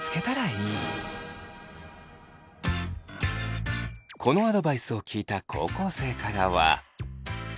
このアドバイスを聞いた高校生からは。